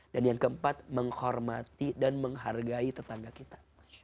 dan yang keempat menghormati dan menghargai tetangga kita